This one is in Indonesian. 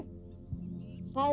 aku akan menurunkanmu